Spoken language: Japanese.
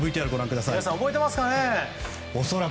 皆さん覚えていますかね。